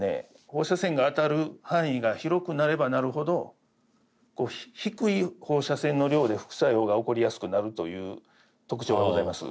放射線が当たる範囲が広くなればなるほど低い放射線の量で副作用が起こりやすくなるという特徴がございます。